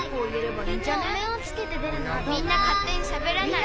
みんなかってにしゃべらないで。